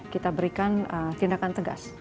kita berikan tindakan tegas